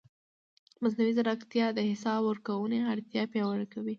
مصنوعي ځیرکتیا د حساب ورکونې اړتیا پیاوړې کوي.